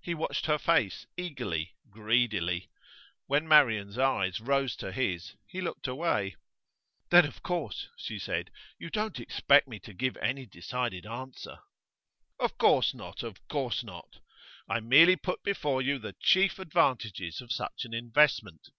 He watched her face eagerly, greedily. When Marian's eyes rose to his he looked away. 'Then, of course,' she said, 'you don't expect me to give any decided answer.' 'Of course not of course not. I merely put before you the chief advantages of such an investment.